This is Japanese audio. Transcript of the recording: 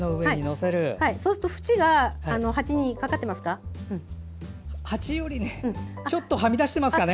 そうすると、縁が鉢にかかってますかね。